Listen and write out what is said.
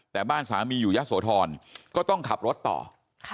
แต่บ้านสามีอยู่ยะโสธรก็ต้องขับรถต่อค่ะ